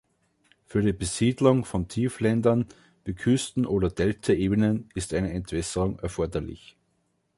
Für die Besiedlung von Tiefländern, wie Küsten- oder Deltaebenen, ist eine Entwässerung erforderlich.